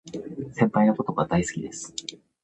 先輩のことが大好きです